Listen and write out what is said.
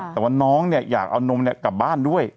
แต่ว่าน้องเนี่ยอยากเอานมกลับบ้านด้วย